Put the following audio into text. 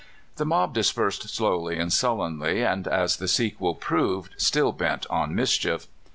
The mob dispersed slowly and sullenly, and, as the sequel proved, still bent on mischief.